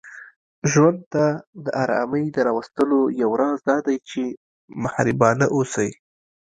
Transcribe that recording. ژوند ته د آرامۍ د راوستلو یو راز دا دی، چې محربانه اوسئ